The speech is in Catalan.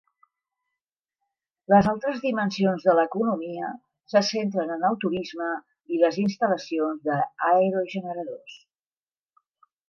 Les altres dimensions de l'economia se centren en el turisme i les instal·lacions d'aerogeneradors.